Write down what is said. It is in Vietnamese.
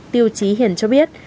tiêu trí hiền cho biết